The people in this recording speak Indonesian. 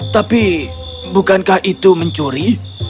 tapi bukankah itu mencuri